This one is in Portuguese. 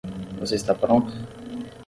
Você está pronto?